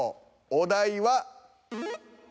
お題は。